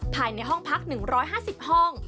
ภายในห้องพัก๑๕๐ห้อง